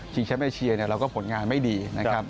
ทีมแชทไม่เชียร์เราก็ผลงานไม่ดีนะครับ